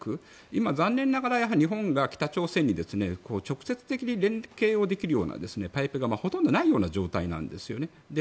今、残念ながら日本が北朝鮮に直接的に連携をできるようなパイプがほとんどないような状態なんです。